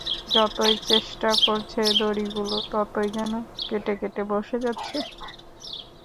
যতই চেষ্টা করছে দড়িগুলো ততই যেন কেটে-কেটে বসে যাচ্ছে।